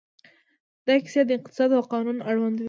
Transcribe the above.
دا کیسې د اقتصاد او قانون اړوند وې.